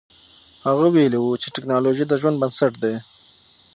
هغه ویلي و چې تکنالوژي د ژوند بنسټ دی.